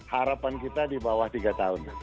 harapan kita di bawah tiga tahun